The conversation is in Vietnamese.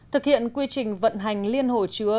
thực hiện quy trình vận hành liên hồ chứa